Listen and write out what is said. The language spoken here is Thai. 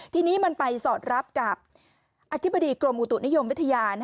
ทีนี้มันไปสอดรับกับอธิบดีกรมอุตุนิยมวิทยา